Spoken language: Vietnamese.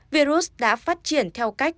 virus đã phát triển theo cách